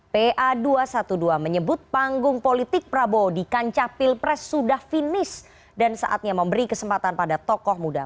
pa dua ratus dua belas menyebut panggung politik prabowo di kancah pilpres sudah finish dan saatnya memberi kesempatan pada tokoh muda